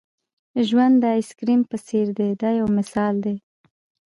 ژوند د آیس کریم په څېر دی دا یو مثال دی.